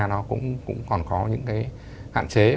nó cũng còn có những cái hạn chế